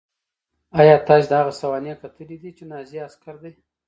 ایا تاسې د هغه سوانح کتلې دي چې نازي عسکر دی